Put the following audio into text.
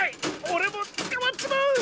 オレもつかまっちまう！